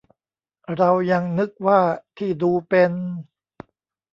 เรายังนึกว่าที่ดูเป็น